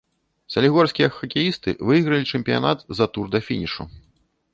Салігорскія хакеісты выйгралі чэмпіянат за тур да фінішу.